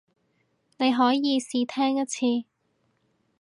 你可以試聽一次